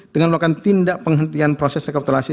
dengan melakukan tindak penghentian proses rekapitulasi